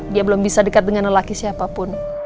dia belum bisa dekat dengan lelaki siapapun